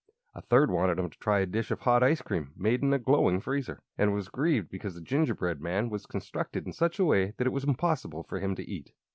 A third wanted him to try a dish of hot ice cream made in a glowing freezer, and was grieved because the gingerbread man was constructed in such a way that it was impossible for him to eat.